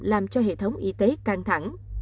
làm cho hệ thống y tế căng thẳng